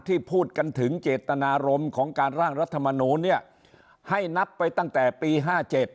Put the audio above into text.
พูดกันถึงเจตนารมณ์ของการร่างรัฐมนูลเนี่ยให้นับไปตั้งแต่ปี๕๗